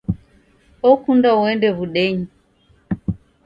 Okunda uende w'udenyi!